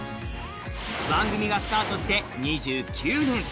番組がスタートして２９年。